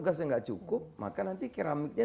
gasnya nggak cukup maka nanti keramiknya